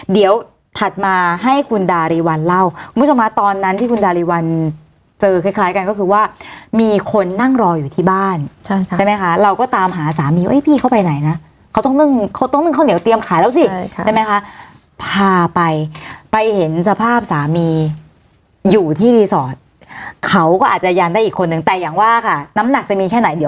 เดี๋ยวถัดมาให้คุณดารีวัลเล่าคุณผู้ชมฮะตอนนั้นที่คุณดาริวัลเจอคล้ายกันก็คือว่ามีคนนั่งรออยู่ที่บ้านใช่ไหมคะเราก็ตามหาสามีว่าพี่เขาไปไหนนะเขาต้องนึ่งเขาต้องนึ่งข้าวเหนียวเตรียมขายแล้วสิใช่ไหมคะพาไปไปเห็นสภาพสามีอยู่ที่รีสอร์ทเขาก็อาจจะยันได้อีกคนนึงแต่อย่างว่าค่ะน้ำหนักจะมีแค่ไหนเดี๋ยว